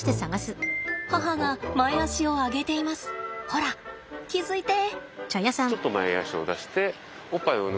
ほら気付いて！